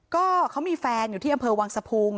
ก็เขามีแฟนอยู่ที่อำเภอวังสะพุง